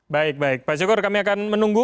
baik baik pak syukur kami akan menunggu